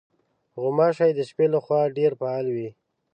غوماشې د شپې له خوا ډېرې فعالې وي.